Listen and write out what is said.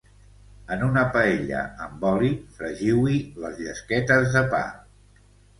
En una paella amb oli fregiu-hi les llesquetes de pa